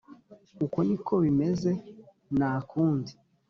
uko niko bimeze nakundi